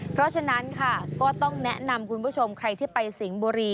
เพราะฉะนั้นค่ะก็ต้องแนะนำคุณผู้ชมใครที่ไปสิงห์บุรี